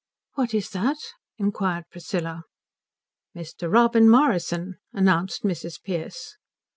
'" "What is that?" inquired Priscilla. "Mr. Robin Morrison," announced Mrs. Pearce.